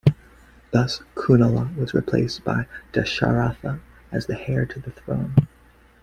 Thus, Kunala was replaced by Dasharatha as the heir to the throne.